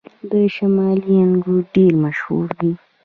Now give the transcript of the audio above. د شمالي انګور ډیر مشهور دي